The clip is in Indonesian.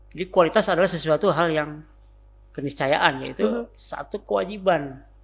jadi kualitas adalah sesuatu hal yang keniscayaan yaitu satu kewajiban